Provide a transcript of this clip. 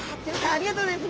ありがとうございます。